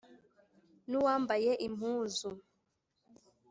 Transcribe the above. N'uwambaye impuzu